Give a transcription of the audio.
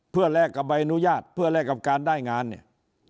เพื่อแลกกับใบอนุญาตเพื่อแลกกับการได้งานเนี่ย